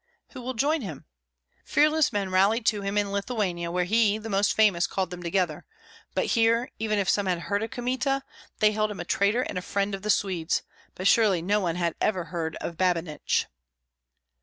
Who will join him? Fearless men rallied to him in Lithuania, where he, the most famous, called them together; but here, even if some had heard of Kmita, they held him a traitor and a friend of the Swedes, but surely no one had ever heard of Babinich.